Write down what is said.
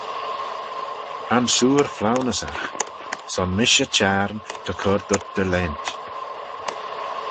Ansoor flaunyssagh: Son mish y Çhiarn ta cur dhyt dty 'laynt.